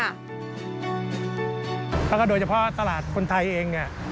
แล้วก็โดยเฉพาะตลาดคนไทยเองเนี่ย